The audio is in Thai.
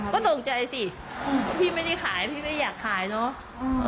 ก็ตกใจสิพี่ไม่ได้ขายพี่ไม่อยากขายเนอะ